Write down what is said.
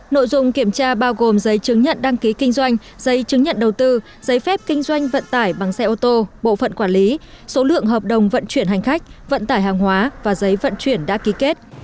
nội dung kiểm tra bao gồm giấy chứng nhận đăng ký kinh doanh giấy chứng nhận đầu tư giấy phép kinh doanh vận tải bằng xe ô tô bộ phận quản lý số lượng hợp đồng vận chuyển hành khách vận tải hàng hóa và giấy vận chuyển đã ký kết